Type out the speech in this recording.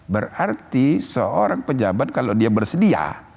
berarti seorang pejabat kalau dia bersedia